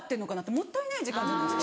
もったいない時間じゃないですか。